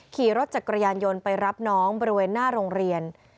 ขี่รถจักรยานยนต์ไปรับน้องบริเวณหน้าโรงเรียน